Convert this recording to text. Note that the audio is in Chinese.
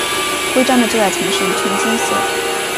徽章的最外层是一圈金色。